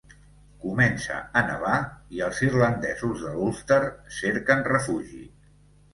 Comença a nevar i els irlandesos de l'Ulster cerquen refugi.